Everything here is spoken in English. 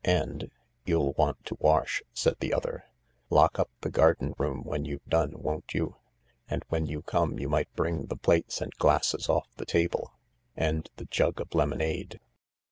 And, " You'll want to wash," said the other ;" lock u the garden room when you've done, won't you ? And when you come you might bring the plates and glasses off the table — and the jug of lemonade."